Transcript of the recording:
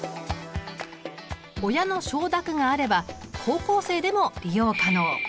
親の承諾があれば高校生でも利用可能。